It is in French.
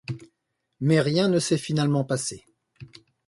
Mais rien ne s'est finalement passé.